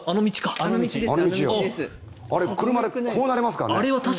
あれ、車でこうなりますからね。